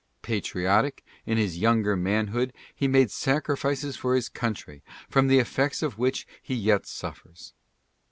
Patriotic, in his younger manhood he made sacrifices for his country from the effects of which he yet suffers.